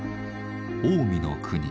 近江の国